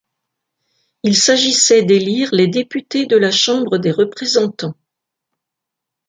Il s'agissait d'élire les députés de la Chambre des représentants.